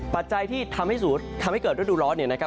ปัจจัยที่ทำให้เกิดฤดูร้อนเนี่ยนะครับ